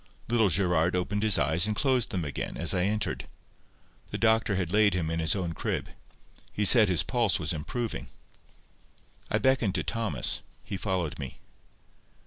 Little Gerard opened his eyes and closed them again, as I entered. The doctor had laid him in his own crib. He said his pulse was improving. I beckoned to Thomas. He followed me.